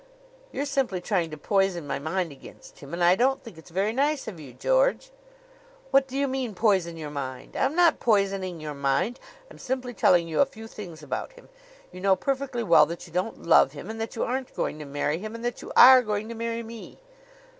"You're simply trying to poison my mind against him; and I don't think it's very nice of you, George." "What do you mean poison your mind? I'm not poisoning your mind; I'm simply telling you a few things about him. You know perfectly well that you don't love him, and that you aren't going to marry him and that you are going to marry me."